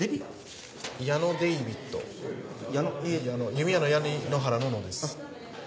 弓矢の「矢」に野原の「野」です。